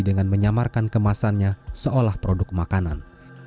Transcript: dengan menyamarkan kemasannya seolah produk makanan